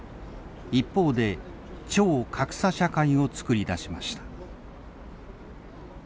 一方で超格差社会を作り出しました。